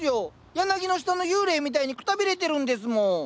柳の下の幽霊みたいにくたびれてるんですもん。